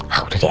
ah udah deh ya